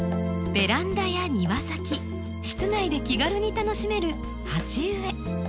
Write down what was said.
ベランダや庭先室内で気軽に楽しめる鉢植え。